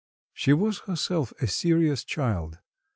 She was herself a serious child.